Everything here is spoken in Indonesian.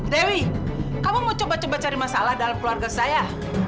dewi kamu mau coba coba cari masalah dalam keluarga saya